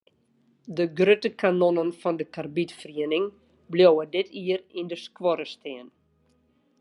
De grutte kanonnen fan de karbidferiening bliuwe dit jier yn de skuorre stean.